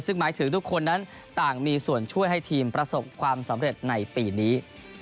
ซึ่งหมายถึงทุกคนนั้นต่างมีส่วนช่วยให้ทีมประสบความสำเร็จในปีนี้